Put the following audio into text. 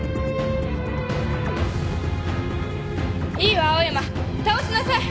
いいわ青山倒しなさい。